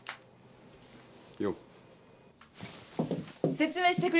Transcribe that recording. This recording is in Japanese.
説明してくれる？